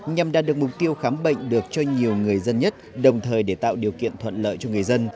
nhằm đạt được mục tiêu khám bệnh được cho nhiều người dân nhất đồng thời để tạo điều kiện thuận lợi cho người dân